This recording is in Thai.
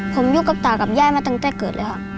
ผมอยู่กับตากับย่ามาตั้งแต่เกิดเลยครับ